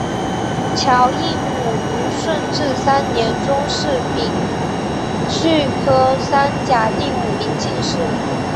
乔映伍于顺治三年中式丙戌科三甲第五名进士。